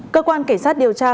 cơ quan cảnh sát điều tra